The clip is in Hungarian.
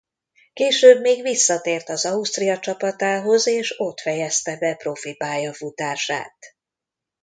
Később még visszatért az Austria csapatához és ott fejezte be profi pályafutását.